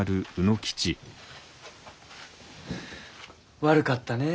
悪かったねえ